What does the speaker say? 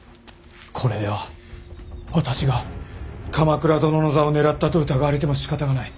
これでは私が鎌倉殿の座を狙ったと疑われてもしかたがない。